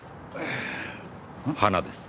花です。